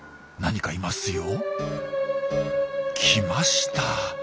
何かいますよ。来ました！